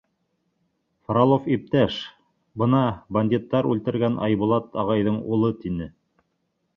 — Фролов иптәш, бына бандиттар үлтергән Айбулат ағайҙың улы, — тине.